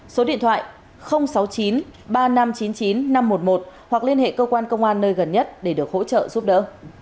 số điện thoại sáu mươi chín ba nghìn năm trăm chín mươi chín năm trăm một mươi một hoặc liên hệ cơ quan công an nơi gần nhất để được hỗ trợ giúp đỡ